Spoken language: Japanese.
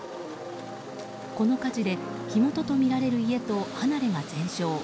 この火事で火元とみられる家と離れが全焼。